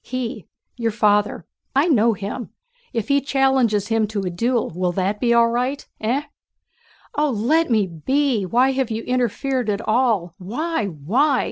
He, your father, I know him... if he challenges him to a duel will that be all right? Eh?" "Oh, let me be! Why have you interfered at all? Why? Why?